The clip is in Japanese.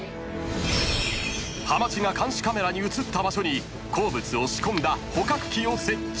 ［はまちが監視カメラに映った場所に好物を仕込んだ捕獲器を設置］